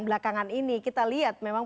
belakangan ini kita lihat memang